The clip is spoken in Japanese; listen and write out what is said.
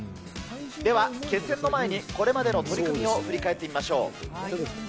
では決戦の前に、これまでの取組を振り返ってみましょう。